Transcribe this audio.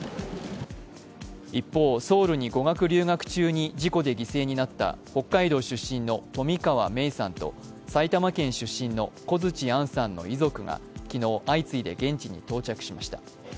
一方、ソウルに語学留学中に事故で犠牲になった北海道出身の冨川芽生さんと埼玉県出身の小槌杏さんの遺族が昨日、相次いで現地に到着しました。